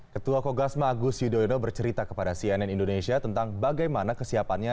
ketua kogasma agus yudhoyono bercerita kepada cnn indonesia tentang bagaimana kesiapannya